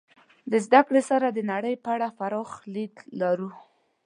د زدهکړې سره د نړۍ په اړه پراخ لید لرو.